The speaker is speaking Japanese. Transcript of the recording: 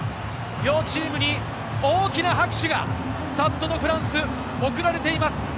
両チームに大きな拍手がスタッド・ド・フランス、送られています。